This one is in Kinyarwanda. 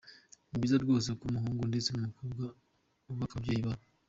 Ni byiza rwose ko umuhungu ndetse n’umukobwa bubaha ababyeyi babo.